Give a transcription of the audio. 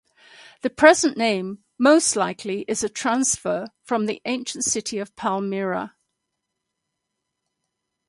The present name most likely is a transfer from the ancient city of Palmyra.